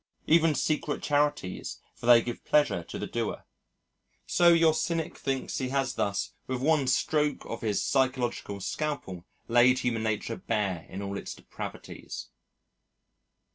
Even secret charities, for they give pleasure to the doer. So your cynic thinks he has thus, with one stroke of his psychological scalpel, laid human nature bare in all its depravities.